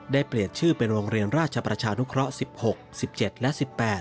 เปลี่ยนชื่อเป็นโรงเรียนราชประชานุเคราะห์๑๖๑๗และ๑๘